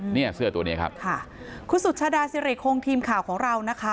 เนี่ยเสื้อตัวนี้ครับค่ะคุณสุชาดาสิริคงทีมข่าวของเรานะคะ